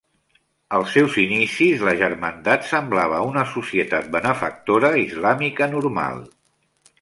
Als seus inicis, la germandat semblava una societat benefactora islàmica normal.